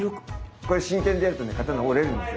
これ真剣でやるとね刀折れるんですよ。